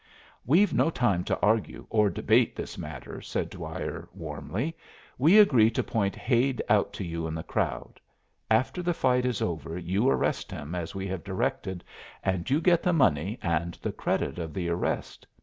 "We've no time to argue or debate this matter," said Dwyer, warmly. "We agree to point Hade out to you in the crowd. After the fight is over you arrest him as we have directed, and you get the money and the credit of the arrest.